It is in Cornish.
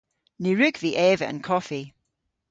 Ny wrug vy eva an koffi.